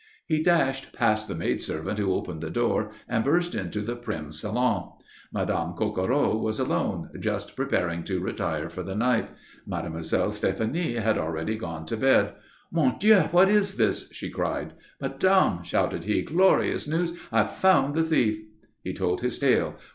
He dashed past the maid servant who opened the door and burst into the prim salon. Madame Coquereau was alone, just preparing to retire for the night. Mademoiselle Stéphanie had already gone to bed. "Mon Dieu, what is all this?" she cried. "Madame," shouted he, "glorious news. I have found the thief!" He told his tale.